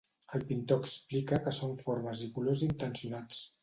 El pintor explica que són formes i colors intencionats.